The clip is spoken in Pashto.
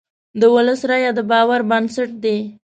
د ولس رایه د باور بنسټ دی.